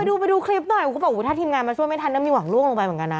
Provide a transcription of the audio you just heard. ดูไปดูคลิปหน่อยเขาบอกถ้าทีมงานมาช่วยไม่ทันนะมีหวังล่วงลงไปเหมือนกันนะ